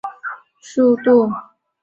在非相对论性的热运动速度下。